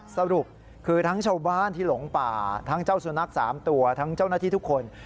สรุปคือทั้งชาวบ้านที่หลงป่าทั้งเจ้าสุนัข๓ตัวทั้งเจ้าหน้าที่ทุกคน